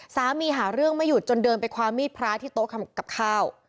หาเรื่องไม่หยุดจนเดินไปคว้ามีดพระที่โต๊ะกับข้าว